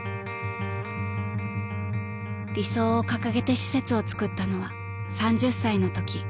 ［理想を掲げて施設を造ったのは３０歳のとき］